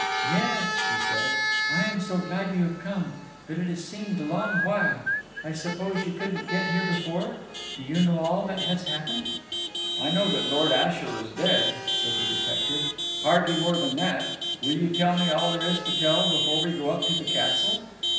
"Yes," she said. "I am so glad you have come, but it has seemed a long while. I suppose you couldn't get here before. Do you know all that has happened?" "I know that Lord Ashiel is dead," said the detective. "Hardly more than that. Will you tell me all there is to tell before we go up to the castle?"